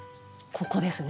ここですね！